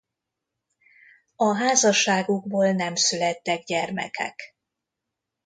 A házasságukból nem születtek gyermekek.